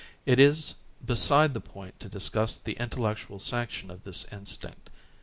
It is beside the point to discuss the intellectual sanction of tliis instinct.